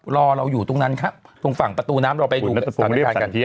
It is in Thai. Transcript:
รอเราอยู่ตรงนั้นครับตรงฝั่งประตูน้ำเราไปคุณนัตรพงศ์เรียบสั่งเทีย